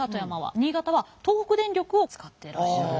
新潟は東北電力を使ってらっしゃる。